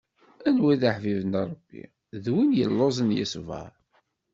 Anwa i d aḥbib n Ṛebbi, d win yelluẓen yesbeṛ.